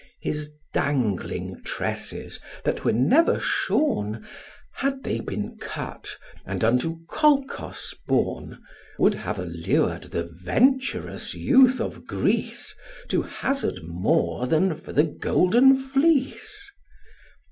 His dangling tresses, that were never shorn, Had they been cut, and unto Colchos borne, Would have allur'd the venturous youth of Greece To hazard more than for the golden fleece.